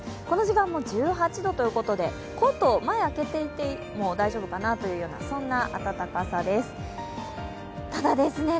この時間も１８度ということで、コート、前を開けていても大丈夫かなという、そんな暖かさです。